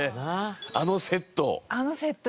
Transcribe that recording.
あのセット。